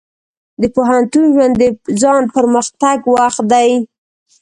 د پوهنتون ژوند د ځان پرمختګ وخت دی.